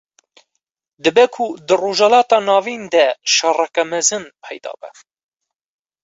Dibe ku di rojhilata navîn de şereke mezin peyda be